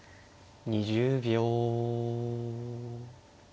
２０秒。